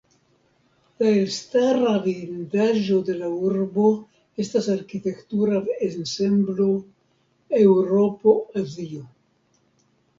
La elstara vidindaĵo de la urbo estas arkitektura ensemblo "Eŭropo-Azio".